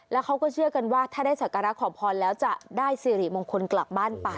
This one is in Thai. แล้วเขาก็เชื่อกันว่าถ้าได้สักการะขอพรแล้วจะได้สิริมงคลกลับบ้านไป